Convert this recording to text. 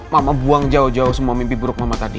mama buang jauh jauh semua mimpi buruk mama tadi